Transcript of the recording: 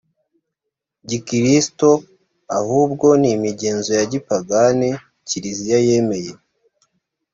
gikristo ahubwo ni imigenzo ya gipagani kiliziya yemeye